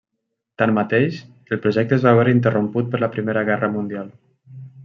Tanmateix, el projecte es va veure interromput per la Primera Guerra Mundial.